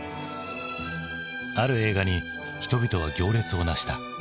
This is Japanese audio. ある映画に人々は行列をなした。